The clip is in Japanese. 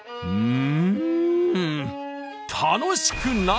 うん。